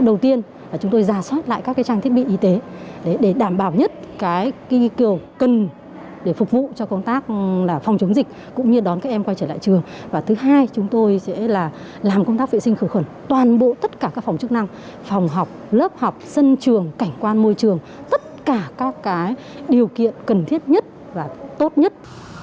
đầu tiên là chúng tôi ra soát lại các trang thiết bị y tế để đảm bảo nhất cái kỳ kiểu cần để phục vụ cho công tác là phòng chống dịch cũng như đón các em quay trở lại trường và thứ hai chúng tôi sẽ là làm công tác vệ sinh khử khuẩn toàn bộ tất cả các phòng chức năng phòng học lớp học sân trường cảnh quan môi trường tất cả các cái điều kiện cần thiết nhất và tốt nhất